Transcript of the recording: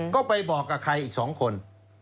ก็ไปบอกกับใครอีก๒คน